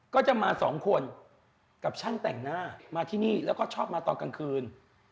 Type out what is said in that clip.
ก็จะมาสองคนกับช่างแต่งหน้ามาที่นี่แล้วก็ชอบมาตอนกลางคืน